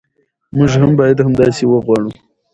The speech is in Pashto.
موږ هم باید همداسې وغواړو.